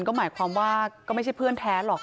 ก็หมายความว่าก็ไม่ใช่เพื่อนแท้หรอก